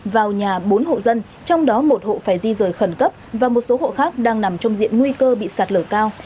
vào nhà bốn hộ dân trong đó một hộ phải di rời khẩn cấp và một số hộ khác đang nằm trong diện nguy cơ bị sạt lở cao